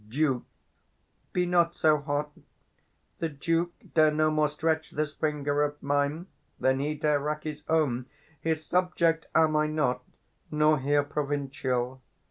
Duke. Be not so hot; the Duke Dare no more stretch this finger of mine than he Dare rack his own: his subject am I not, Nor here provincial.